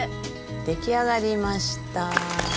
出来上がりました。